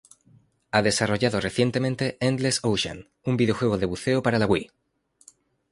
Ha desarrollado recientemente "Endless Ocean", un videojuego de buceo para la Wii.